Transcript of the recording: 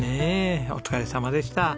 お疲れさまでした。